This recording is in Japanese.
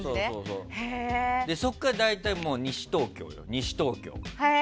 そこから大体、西東京よ。